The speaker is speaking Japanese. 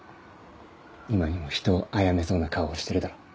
今にも人を殺めそうな顔をしてるだろ。